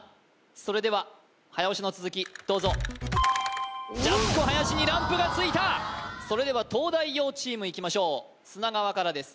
それでは早押しの続きどうぞジャスコ林にランプがついたそれでは東大王チームいきましょう砂川からです